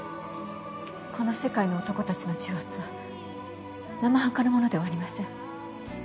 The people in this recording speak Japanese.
この世界の男たちの重圧は生半可なものではありません。